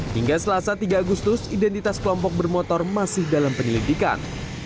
hingga selasa tiga agustus identitas kelompok bermotor masih dalam penyelidikan